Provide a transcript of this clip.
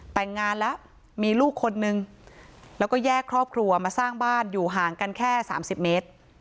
แต่งงานแล้วมีลูกคนนึงแล้วก็แยกครอบครัวมาสร้างบ้านอยู่ห่างกันแค่๓๐เมตร